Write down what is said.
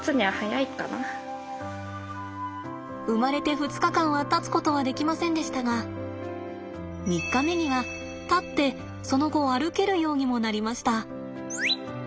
生まれて２日間は立つことはできませんでしたが３日目には立ってその後歩けるようにもなりました。